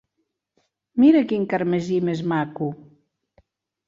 Mira quin carmesí més maco!